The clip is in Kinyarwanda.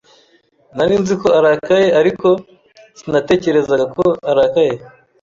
Nari nzi ko arakaye, ariko sinatekerezaga ko arakaye.